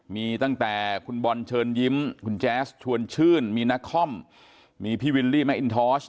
มีตั้งแต่คุณบอลเชิญยิ้มคุณแจ๊สชวนชื่นมีนักคอมมีพี่วิลลี่แมคอินทอส